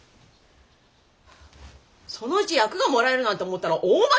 そのうち役が貰えるなんて思ったら大間違いよ。